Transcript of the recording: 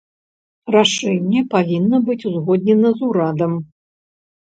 Рашэнне павінна быць узгоднена з урадам.